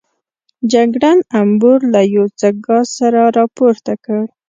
جګړن امبور له یو څه ګاز سره راپورته کړ.